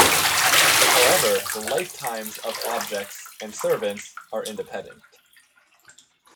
However, the lifetimes of objects and servants are independent.